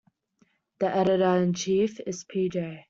The editor-in-chief is P. J.